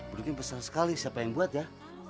beduk ini besar sekali siapa yang buat ya